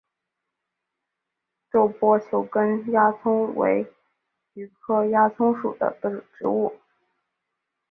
皱波球根鸦葱为菊科鸦葱属的植物。